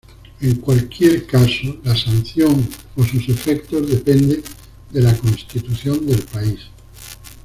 En cualquier caso, la sanción o sus efectos depende de la constitución del país.